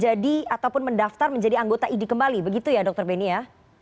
jadi ataupun mendaftar menjadi anggota idi kembali begitu ya dokter beni ya